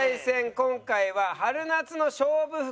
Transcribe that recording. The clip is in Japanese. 今回は春夏の勝負服。